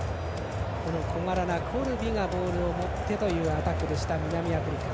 コルビがボールを持ってのアタックでした南アフリカ。